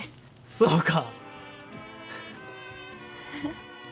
そうか。